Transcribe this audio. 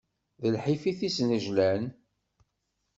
D lḥif i t-isnejlan.